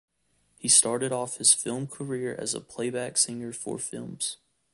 He started off his film career as a playback singer for films.